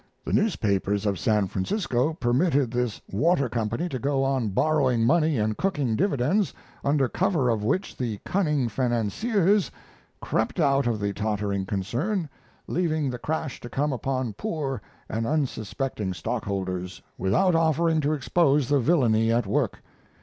The newspapers of San Francisco permitted this water company to go on borrowing money and cooking dividends, under cover of which the cunning financiers crept out of the tottering concern, leaving the crash to come upon poor and unsuspecting stockholders, without offering to expose the villainy at work.